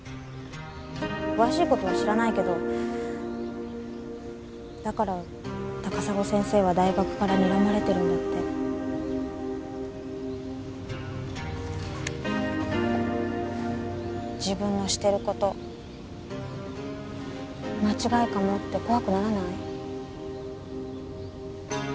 ・詳しいことは知らないけどだから高砂先生は大学からにらまれてるんだって自分のしてること間違いかもって怖くならない？